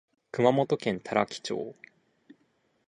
熊本県多良木町